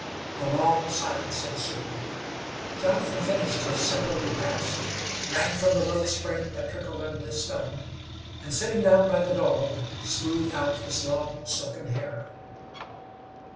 A long silence ensued. Jonathan finished his simple repast, drank from the little spring that trickled under the stone, and, sitting down by the dog, smoothed out his long silken hair.